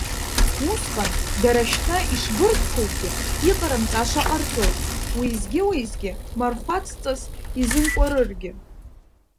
Усҟан, дара шьҭа ишбыргцәоугьы, иҟарымҵаша ҟарҵоит, уеизгьы-уеизгьы мархәацҵас изымкәарыргьы!